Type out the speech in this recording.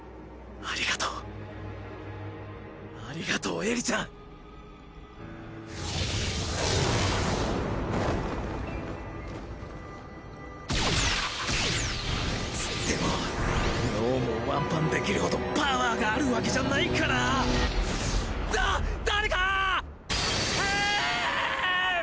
ありがとうありがとうエリちゃんつっても脳無をワンパンできるほどパワァアがあるわけじゃないからだっ誰かぁ！